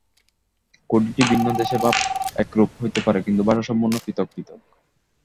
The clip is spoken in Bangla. কুড়িটি ভিন্ন দেশে ভাব একরূপ হইতে পারে, কিন্তু ভাষা সম্পূর্ণ পৃথক পৃথক্।